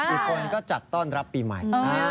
อีกคนก็จัดต้อนรับปีใหม่